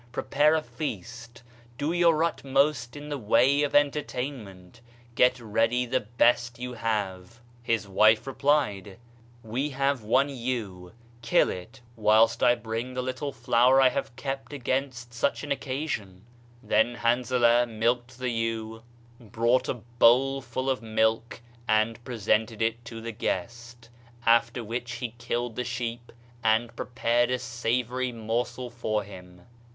Prepare a feast, do your utmost in the way of entertainment, get ready the best you have." His wife replied: "Wc have one ewe, kill it; whilst I bring the little flour I have kept against such an occasion." Then Hanzalah milked the ewe, brought a 55 Digitized by Google MYSTERIOUS FORCES bowl full of milk and presented it to the guest; after which he killed the sheep, and prepared a savory morsel for him.